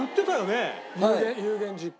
有言実行。